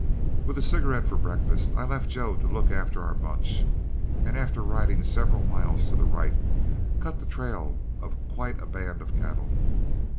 With a cigarette for breakfast, I left Joe to look after our bunch, and after riding several miles to the right, cut the trail of quite a band of cattle.